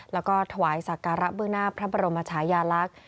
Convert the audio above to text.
แล้วก็ถวายสักการะเบื้องหน้าพระบรมชายาลักษณ์